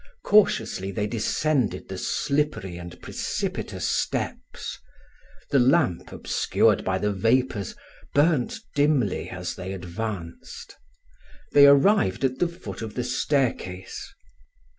Cautiously they descended the slippery and precipitous steps. The lamp, obscured by the vapours, burnt dimly as they advanced. They arrived at the foot of the staircase.